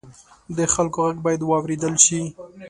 د خلکو غږ باید واورېدل شي.